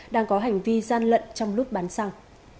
đang có hành vi gian lận trong lúc bán xăng